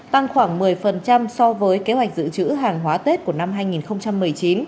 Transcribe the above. tăng khoảng một mươi so với kế hoạch giữ chữ hàng hóa tết của năm hai nghìn một mươi chín